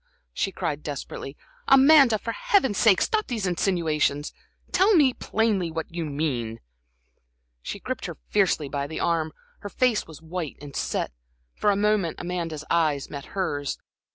she cried, desperately. "Amanda, for Heaven's sake, stop these insinuations! Tell me plainly what you mean?" She gripped her fiercely by the arm, her face was white and set. For a moment Amanda's eyes met hers.